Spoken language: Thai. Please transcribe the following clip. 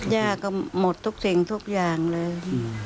ย่าก็หมดทุกสิ่งทุกอย่างเลย